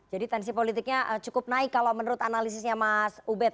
jadi tensi politiknya cukup naik kalau menurut analisisnya mas ubed